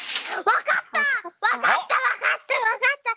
わかったわかったわかった。